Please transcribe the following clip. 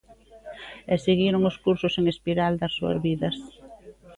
E seguiron os cursos en espiral das súas vidas.